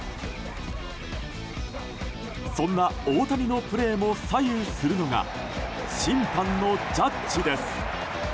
そんな大谷のプレーも左右するのが審判のジャッジです。